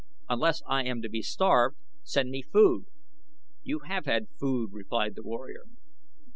"Unless I am to be starved, send me food." "You have had food," replied the warrior.